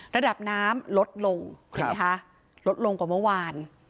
ระดับน้ำลดลงเห็นไหมคะลดลงกว่าเมื่อวาน